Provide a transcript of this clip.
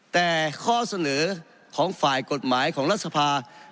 แต่ข้อเสนอของฝ่ายกฎหมายของรัฐสภา